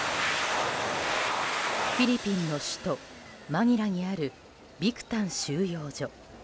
フィリピンの首都マニラにあるビクタン収容所。